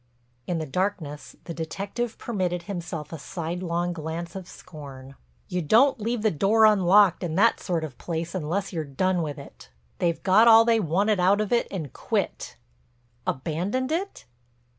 In the darkness the detective permitted himself a sidelong glance of scorn. "You don't leave the door unlocked in that sort of place unless you're done with it. They've got all they wanted out of it and quit." "Abandoned it?"